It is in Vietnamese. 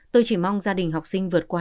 tôi chỉ mong gia đình học sinh vượt qua